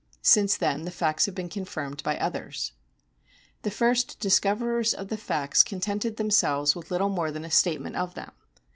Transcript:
Since then the facts have been confirmed by others. (PI. VI.) The first discoverers of the facts contented them selves with little more than a statement of them.